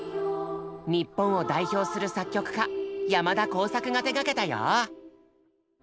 日本を代表する作曲家山田耕筰が手がけたよ。